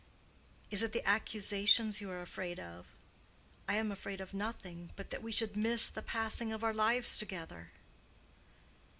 "Is it the accusations you are afraid of? I am afraid of nothing but that we should miss the passing of our lives together."